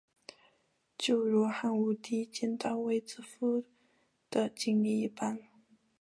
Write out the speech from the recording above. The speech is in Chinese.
就如汉武帝见到卫子夫的经历一般。